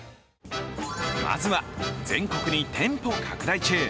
まずは、全国に店舗拡大中。